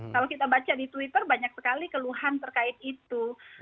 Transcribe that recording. kalau kita baca di twitter banyak sekali keluhan terkait itu